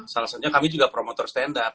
salah satunya kami juga promotor stand up